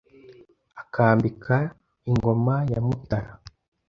Akambika ingoma ya mutara